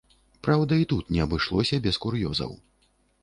Праўда, і тут не абышлося без кур'ёзаў.